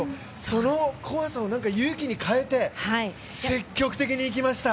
その怖さを勇気に変えて積極的にいきました。